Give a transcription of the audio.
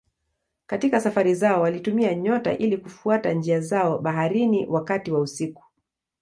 Katika safari zao walitumia nyota ili kufuata njia zao baharini wakati wa usiku.